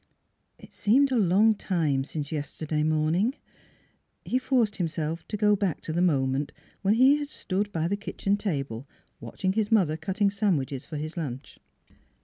It seemed a long time since yesterday morning. ... He forced himself to go back to the moment when he had stood by the kitchen table watching his mother cutting sandwiches for his lunch.